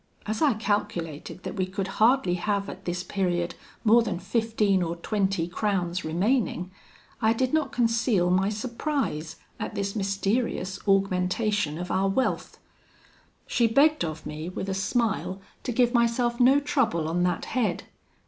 As I calculated that we could hardly have at this period more than fifteen or twenty crowns remaining, I did not conceal my surprise at this mysterious augmentation of our wealth. She begged of me, with a smile, to give myself no trouble on that head.